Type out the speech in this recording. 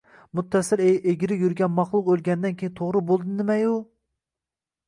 Muttasil egri yurgan mahluq o’lganidan keyin to’g’ri bo’ldi nima-yu